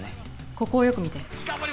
ここをよく見て。